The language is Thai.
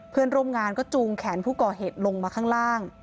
เพื่อนร่วมงานก็จูงแขนผู้ก่อเหตุลงมาข้างล่าง